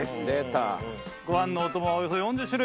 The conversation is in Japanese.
ご飯のお供はおよそ４０種類。